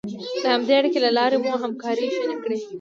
د همدې اړیکې له لارې مو همکاري شونې کړه.